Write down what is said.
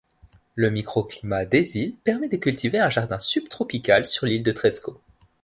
Le microclimat des îles permet de cultiver un jardin subtropical sur l'ile de Tresco.